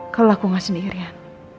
kalau aku gak sendirian